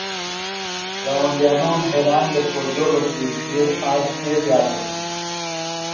گاوۡنڈیانوم حیران بھےۡ کھوجولوکی ڇھیر آج کےۡ زیات بھِلو۔ۡ